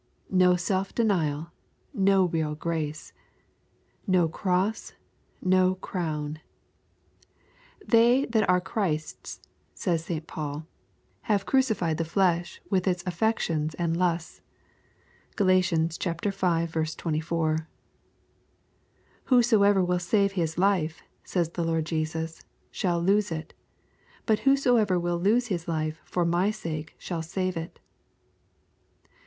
No self denial — ^no real grace 1 No cross — no crown 1 " They that are Christ's,'' says St. Paul, " have crucified the flesh with its affections and lusts." (Gal. V. 24.) " Whosoever will save his life/' says the Lord Jesus, " shall lose it ; but whosoever will lose his life for My sake shall save it."